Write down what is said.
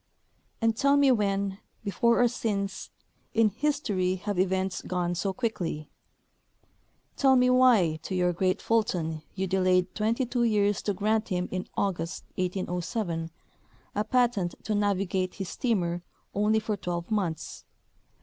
And tell me when, before or since, in history have events gone so quickly ? Tell me why to your great Fulton you delayed twenty two years to grant him in August, 1807, a patent to navi gate his steamer only for twelve months?